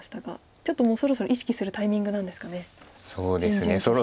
ちょっともうそろそろ意識するタイミングなんですかね準々決勝。